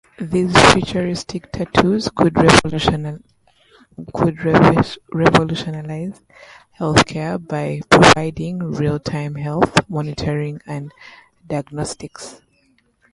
These futuristic tattoos could revolutionize healthcare by providing real-time health monitoring and diagnostics.